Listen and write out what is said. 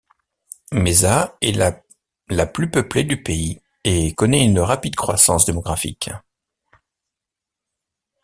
Mesa est la la plus peuplée du pays et connaît une rapide croissance démographique.